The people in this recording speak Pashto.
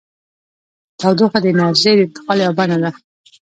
تودوخه د انرژۍ د انتقال یوه بڼه ده.